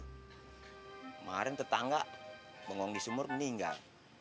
kemarin tetangga bengong di sumur meninggal